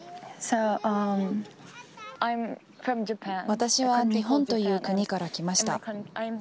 私は日本という国から来ました。